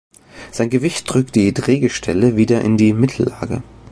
Sein Gewicht drückt die Drehgestelle wieder in die Mittellage.